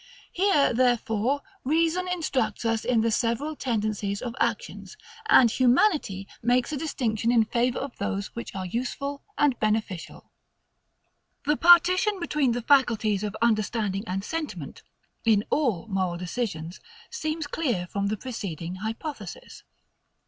Here therefore REASON instructs us in the several tendencies of actions, and HUMANITY makes a distinction in favour of those which are useful and beneficial. This partition between the faculties of understanding and sentiment, in all moral decisions, seems clear from the preceding hypothesis.